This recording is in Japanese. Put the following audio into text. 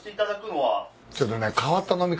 ちょっとね。